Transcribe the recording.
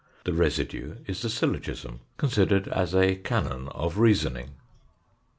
The residue is the syllogism, considered as a canon of reasoning.